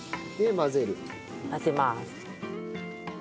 混ぜます。